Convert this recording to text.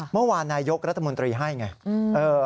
เมื่อวานนี้นายกรัฐมนตรีให้ไง